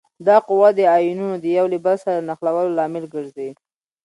دا قوه د آیونونو د یو له بل سره نښلولو لامل ګرځي.